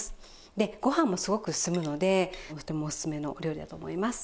でご飯もすごく進むのでとてもおすすめのお料理だと思います。